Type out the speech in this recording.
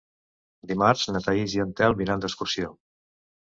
Dimarts na Thaís i en Telm iran d'excursió.